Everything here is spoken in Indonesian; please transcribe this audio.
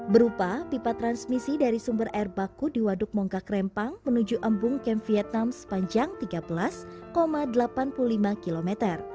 berupa pipa transmisi dari sumber air baku di waduk mongka krempang menuju embung kem vietnam sepanjang tiga belas delapan puluh lima km